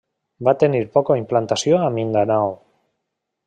Va tenir poca implantació a Mindanao.